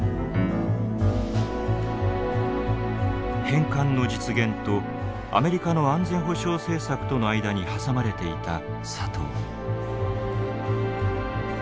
返還の実現とアメリカの安全保障政策との間に挟まれていた佐藤。